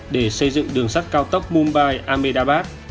để xây dựng đường sắt cao tốc mumbai amedabad